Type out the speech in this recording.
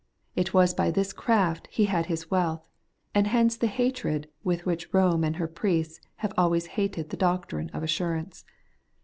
It was by this craft he had his wealth, and hence the hatred with which Eome and her priests have always hated the doctrine of assurance.